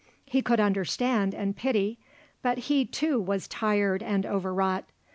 He could understand and pity; but he, too, was tired and overwrought.